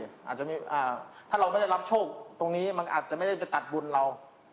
อาจจะถ้าเราไม่ได้รับโชคตรงนี้มันอาจจะไม่ได้ไปตัดบุญเรา